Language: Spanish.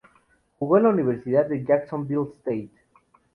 Jugo en la universidad de Jacksonville State.